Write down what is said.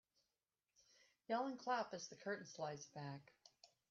Yell and clap as the curtain slides back.